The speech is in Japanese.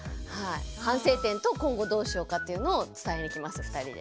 反省点と今後どうしようかというのを伝えに来ます２人で。